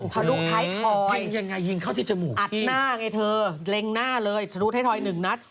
ทะลุท้ายทอยอัดหน้าไงเธอเล็งหน้าเลยทะลุท้ายทอย๑นัด